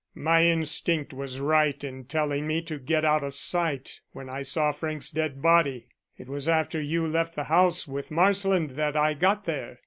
My instinct was right in telling me to get out of sight when I saw Frank's dead body. It was after you left the house with Marsland that I got there.